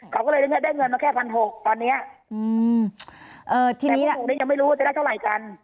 เขาก็เลยได้เงินมาแค่พันหกตอนเนี้ยอืมทีนี้ยังไม่รู้ว่าจะได้เท่าไหร่กัน